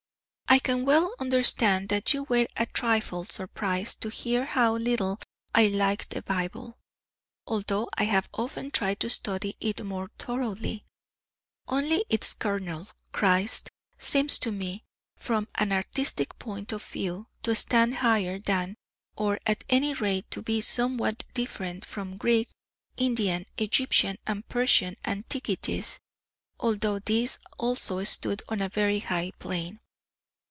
I can well understand that you were a trifle surprised to hear how little I liked the Bible, although I have often tried to study it more thoroughly. Only its kernel Christ seems to me, from an artistic point of view, to stand higher than, or at any rate to be somewhat different from Greek, Indian, Egyptian, and Persian antiquities, although these also stood on a very high plane.